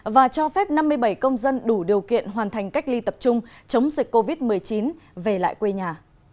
và cho phép năm mươi bảy công dân đủ điều kiện hoàn thành cách ly tập trung chống dịch covid một mươi chín về lại quê nhà